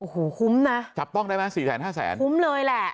มันคุ้มนะคุ้มเลยแหละ